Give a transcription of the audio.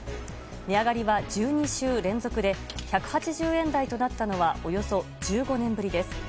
値上がりは１２週連続で１８０円台となったのはおよそ１５年ぶりです。